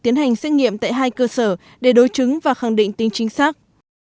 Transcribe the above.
tiến hành xét nghiệm tại hai cơ sở để đối chứng và khẳng định tính chính xác